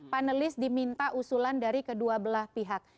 panelis diminta usulan dari kedua belah pihak